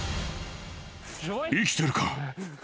生きてるか？